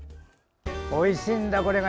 おいしいんだ、これが！